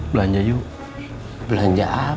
belanja yuk belanja apa